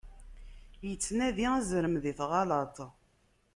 Ittnadi azrem di tɣalaṭ.